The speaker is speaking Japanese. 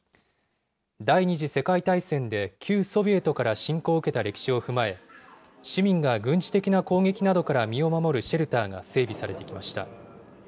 第２次世界大戦で、旧ソビエトから侵攻を受けた歴史を踏まえ、市民が軍事的な攻撃などから身を守るシェルターが整備されてきました。